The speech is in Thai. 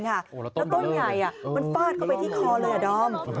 แล้วต้นใหญ่มันฟาดเข้าไปที่คอเลยดอม